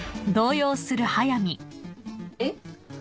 えっ？